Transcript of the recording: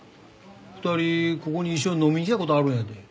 ２人ここに一緒に飲みに来た事あるんやで。